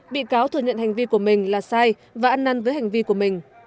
bị cáo thừa nhận hành vi của mình là sai và ăn năn với hành vi của mình